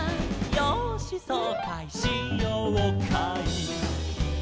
「よーしそうかいしようかい」